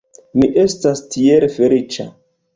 Mi estas tiel feliĉa!